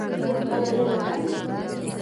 موږ خپله ژبه پالو.